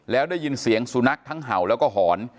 แล้วได้ยินเสียงสุนัขทั้งเห่าแล้วก็หอน